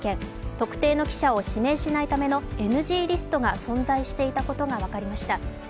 特定の記者を指名しないためのＮＧリストが存在していたことが分かりました。